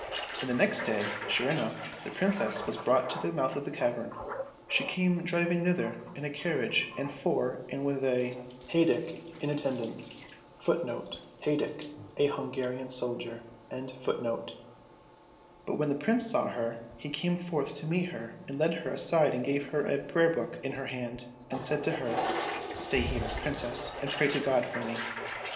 And the next day, sure enough, the Princess was brought to the mouth of the cavern. She came driv ing thither in a carriage and four and with a heyduck^ in attendance. But when the Prince saw her, he came forth to meet her and led her aside and gave her a prayer book in her hand, and said to her, " Stay here, Princess, and pray to God for me."